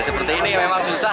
seperti ini memang susah